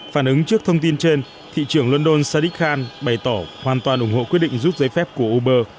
phản ứng trước thông tin trên thị trưởng london sadikhan bày tỏ hoàn toàn ủng hộ quyết định rút giấy phép của uber